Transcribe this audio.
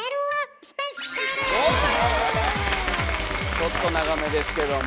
ちょっと長めですけども。